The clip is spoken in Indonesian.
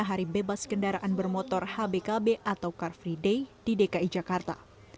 hari bebas kendaraan bermotor hbkb atau car free day di dki jakarta